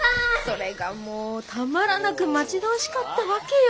それがもうたまらなく待ち遠しかったわけよ。